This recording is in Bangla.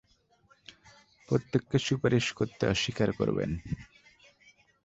প্রত্যেকেই সুপারিশ করতে অস্বীকার করবেন।